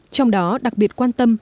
trong đó đặc biệt quan tâm